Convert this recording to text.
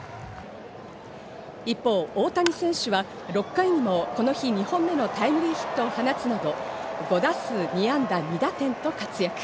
一方、大谷選手は６回にもこの日２本目のタイムリーヒットを放つなど、５打数２安打２打点と活躍。